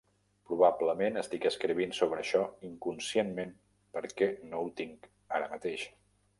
Probablement estic escrivint sobre això inconscientment perquè no ho tinc ara mateix.